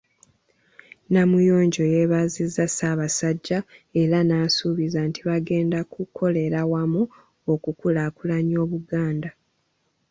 Namuyonjo yeebazizza Ssaabasajja era n’asuubiza nti bagenda kukolera wamu okukulaakulanya Obuganda.